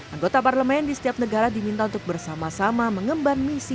anggota parlemen di setiap negara diminta untuk bersama sama mengemban misi